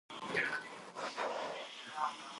ښارونه د افغان تاریخ په کتابونو کې ذکر شوی دي.